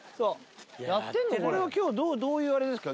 これは今日はどういうあれですか？